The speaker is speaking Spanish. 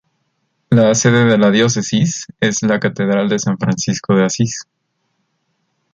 La sede de la Diócesis es la Catedral de San Francisco de Asís.